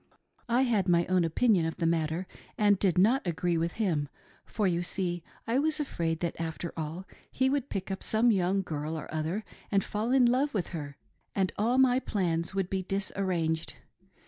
I had my own opinion of the matter and did not agree with him, for you see I was afraid that after all, he would pick up some young girl or other and fall in love with her, and all my plans would be disarranged.